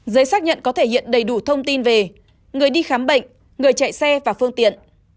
giấy xác nhận có thể hiện đầy đủ thông tin về người đi khám bệnh người chạy xe và phương tiện